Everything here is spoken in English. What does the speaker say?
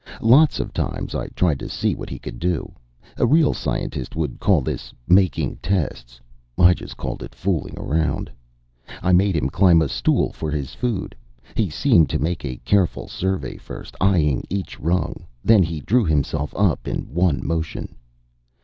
Lots of times I tried to see what he could do. A real scientist would call this "making tests." I just called it fooling around. I made him climb a stool for his food. He seemed to make a careful survey first, eying each rung; then he drew himself up in one motion.